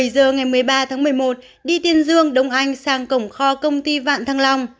một mươi bảy h ngày một mươi ba tháng một mươi một đi tiên dương đông anh sang cổng kho công ty vạn thăng long